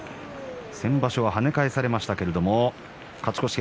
先場所は跳ね返されましたけれども勝ち越し。